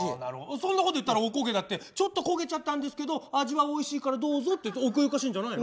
そんなこと言ったらおこげだってちょっと焦げちゃったんですけど味はおいしいからどうぞって奥ゆかしいんじゃないの？